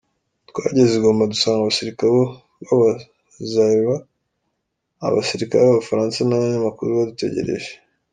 Twageze i Goma, dusanga abasirikare b’aba Zaïrois, abasirikare b’abafaransa n’abanyamakuru badutegereje.